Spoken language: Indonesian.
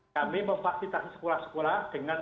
kami memfasilitasi sekolah sekolah dengan